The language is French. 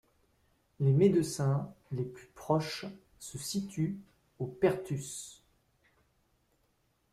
Les médecins les plus proches se situent au Perthus.